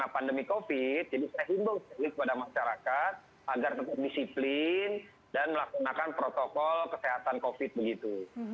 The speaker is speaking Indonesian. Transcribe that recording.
karena pandemi covid jadi saya himbang sekali kepada masyarakat agar tetap disiplin dan melakukan protokol kesehatan covid begitu